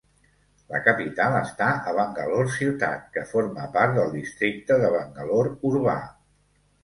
La capital està a Bangalore ciutat, que forma part del Districte de Bangalore Urbà.